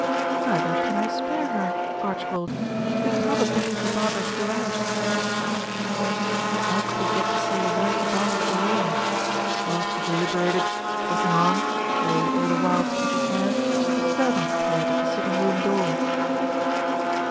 "Neither can I spare her, Archibald. It is not a day for Barbara to go out." How could he get to say a word to Barbara alone? Whilst he deliberated, talking on, though, all the while to Mrs. Hare, a servant appeared at the sitting room door.